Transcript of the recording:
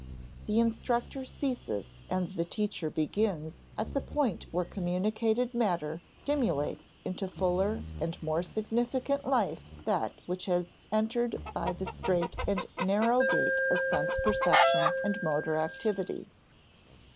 The instructor ceases and the teacher begins at the point where communicated matter stimulates into fuller and more significant life that which has entered by the strait and narrow gate of sense perception and motor activity.